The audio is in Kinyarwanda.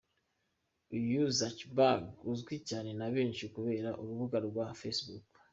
Uyu Zuckerberg azwi cyane na benshi kubera urubuga rwa Facebook.